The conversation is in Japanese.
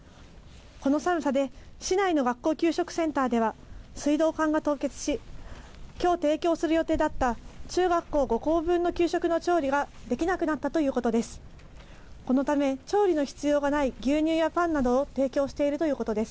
この寒さで市内の学校給食センターでは水道管が凍結しきょう提供する予定だった中学校５校分の給食の調理ができなくなったということです。